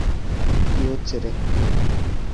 কী হচ্ছে রে?